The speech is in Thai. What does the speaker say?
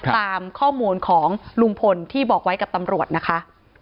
ตามข้อมูลของลุงพลที่บอกไว้กับตำรวจนะคะ